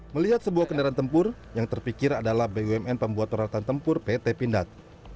melihat sebuah kendaraan tempur yang terpikir adalah bumn pembuat peralatan tempur pt pindad